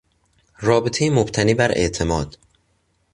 رابطهی مبتنی بر اعتماد